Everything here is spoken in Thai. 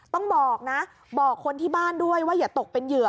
ต้องบอกนะบอกคนที่บ้านด้วยว่าอย่าตกเป็นเหยื่อ